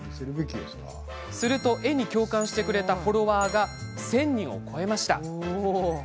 すると絵に共感してくれたフォロワーは１０００人を超えました。